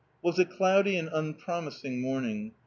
Was a cloudy and unpromising morning.